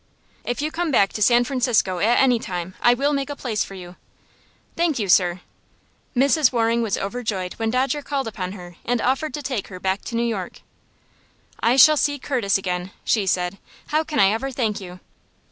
"If you come back to San Francisco at any time, I will make a place for you." "Thank you, sir." Mrs. Waring was overjoyed when Dodger called upon her and offered to take her back to New York. "I shall see Curtis again," she said. "How can I ever thank you?"